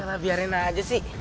lah biarin aja sih